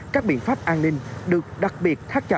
các biện pháp an ninh được đặc biệt thắt chặt